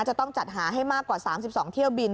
จะต้องจัดหาให้มากกว่า๓๒เที่ยวบิน